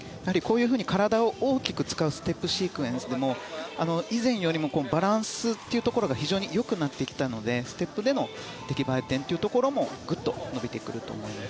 体を大きく使うステップシークエンスは以前よりもバランスが非常に良くなってきたのでステップでの出来栄え点もぐっと伸びてくると思います。